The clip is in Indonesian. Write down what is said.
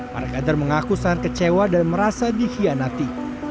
para kader mengaku sangat kecewa dan merasa dihianati